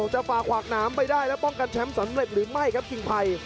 ฝ่าขวากหนามไปได้และป้องกันแชมป์สำเร็จหรือไม่ครับกิ่งไพร